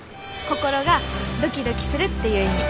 心がドキドキするっていう意味。